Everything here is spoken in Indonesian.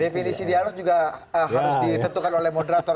definisi dialog juga harus ditentukan oleh moderator